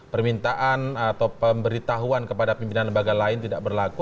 permintaan atau pemberitahuan kepada pimpinan lembaga lain tidak berlaku